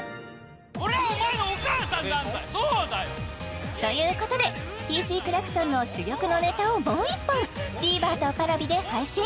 俺はお前のお母さんなんだよ俺の？ということでＴＣクラクションの珠玉のネタをもう１本ＴＶｅｒとＰａｒａｖｉで配信！